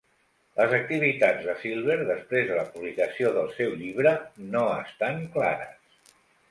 Les activitats de Silver després de la publicació del seu llibre no estan clares.